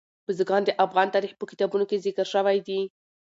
بزګان د افغان تاریخ په کتابونو کې ذکر شوی دي.